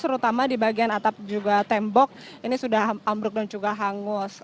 terutama di bagian atap juga tembok ini sudah ambruk dan juga hangus